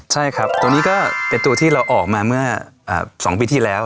ใช่ครับตัวนี้ก็เป็นตัวที่เราออกมาเมื่อ๒ปีที่แล้ว